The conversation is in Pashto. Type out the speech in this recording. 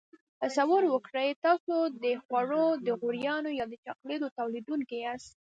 تصور وکړئ تاسو د خوړو د غوړیو یا د چاکلیټو تولیدوونکي یاست.